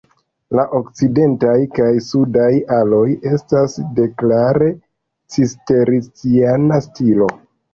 La okcidentaj kaj sudaj aloj estas de klare cisterciana stilo.